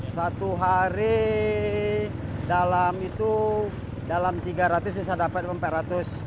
satu hari dalam itu dalam tiga ratus bisa dapat empat ratus